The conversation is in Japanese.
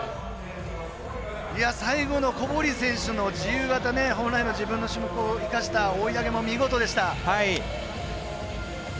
最後の小堀選手の自由形本来の自分の種目を生かした追い上げも見事でした。